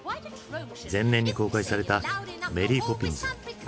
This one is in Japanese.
前年に公開された「メリー・ポピンズ」。